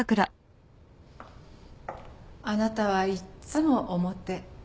あなたはいっつも表。